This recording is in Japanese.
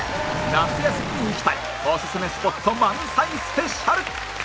夏休みに行きたいおすすめスポット満載スペシャル